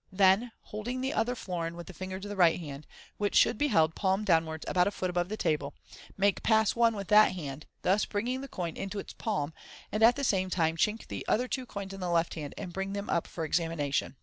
Then, holding the other florin with the fingers of the right hand, which should be held palm downwards about a foot above the table, make Pass I with that hand, thus bringing the coin into its palm, and at the same time chink the other two coins in the left hand, and bring them up for examination.